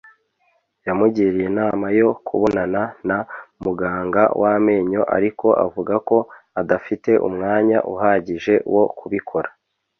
yamugiriye inama yo kubonana na muganga w'amenyo, ariko avuga ko adafite umwanya uhagije wo kubikora